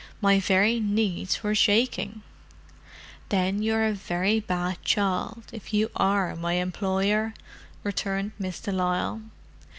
My very knees were shaking!" "Then you're a very bad child, if you are my employer!" returned Miss de Lisle.